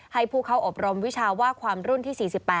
ให้ผู้เข้าอบรมวิชาว่าความรุ่นที่๔๘